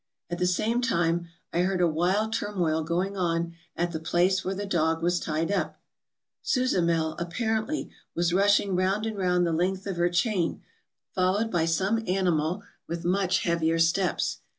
At the same time I heard a wild turmoil going on at the place where the dog was tied up. ' Susamel,' apparently, was rushing round and round the length of her chain, followed by some ani mal with much heavier steps.